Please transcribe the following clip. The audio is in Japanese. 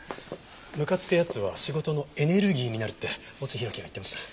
むかつく奴は仕事のエネルギーになるって越智弘基が言ってました。